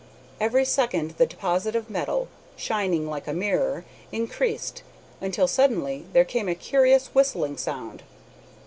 Every second the deposit of metal, shining like a mirror, increased, until suddenly there came a curious whistling sound.